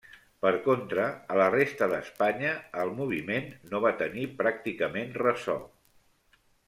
Per contra, a la resta d'Espanya el moviment no va tenir pràcticament ressò.